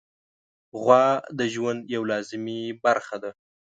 غوا د ژوند یوه لازمي برخه ده.